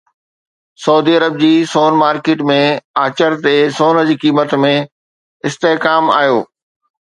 سعودي عرب جي سون مارڪيٽ ۾ آچر تي سون جي قيمتن ۾ استحڪام آيو